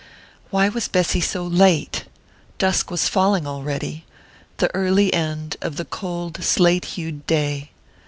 Why was Bessy so late? Dusk was falling already the early end of the cold slate hued day.